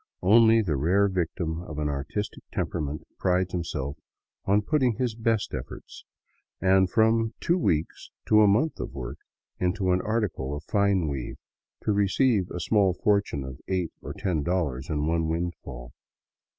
Only the rare victim of an artistic tempera ment prides himself on putting his best efforts, and from two weeks to a month of work, into an article of fine weave, to receive a small for tune of eight or ten dollars in one windfall.